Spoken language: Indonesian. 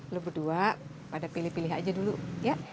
lo berdua pada pilih pilih aja dulu ya